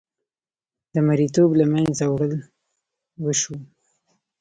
د مریې توب له منځه وړل وشو.